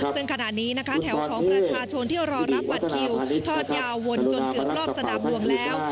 ซึ่งขณะนี้นะคะแถวของประชาชนที่รอรับบัตรคิวทอดยาววนจนเกือบรอบสนามหลวงแล้ว